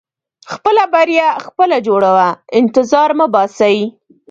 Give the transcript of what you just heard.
• خپله بریا خپله جوړوه، انتظار مه باسې.